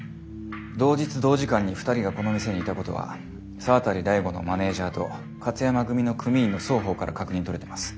同日同時間に２人がこの店にいたことは沢渡大吾のマネージャーと勝山組の組員の双方から確認とれてます。